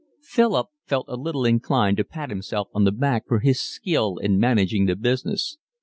Philip felt a little inclined to pat himself on the back for his skill in managing the business.